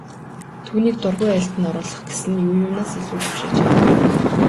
Түүнийг дургүй айлд нь оруулах гэсэн нь юу юунаас ч илүү түгшээжээ.